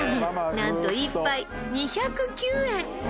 なんと１杯２０９円